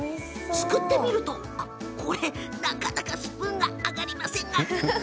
すくってみると、なかなかスプーンが上がりませんよ！